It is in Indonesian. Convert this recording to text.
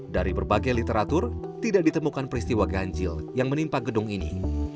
dari berbagai literatur tidak ditemukan peristiwa ganjil yang menimpa gedung ini